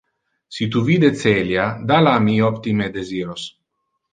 Si tu vide Celia, da la mi optime desiros.